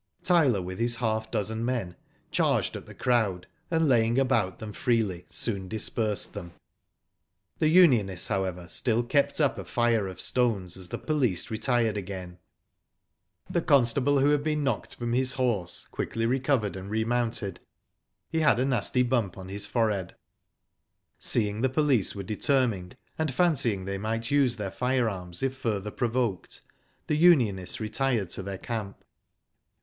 Tyler, with his half dozen men, charged at the crowd, and laying abx)ut them freely, soon dispersed them. The unionists, however, still kept up a fire of stones as the police retired again. Digitized by Google TROUBLE BREWING, 121 The constable who had been knocked from his horse quickly recovered and remounted. He had a nasty bump pn his forehead. Seeing the police were determined, and fancy ing they might use their firearms if further pro voked, the unionists retired to their camp.